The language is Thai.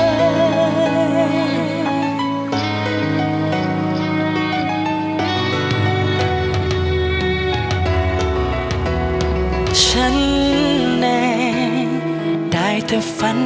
นั้นก็คงเหมือนมัน